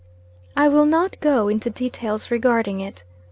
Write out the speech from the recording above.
I will not go into details regarding it.